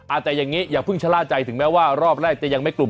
อาจจะอย่างนี้อย่าเพิ่งชะล่าใจถึงแม้ว่ารอบแรกจะยังไม่กลุ่ม